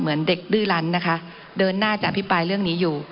เหมือนเด็กดื้อลันนะคะเดินหน้าจะอภิปรายเรื่องนี้อยู่